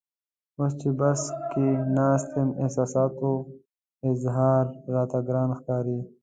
اوس چې بس کې ناست یم احساساتو اظهار راته ګران ښکاري.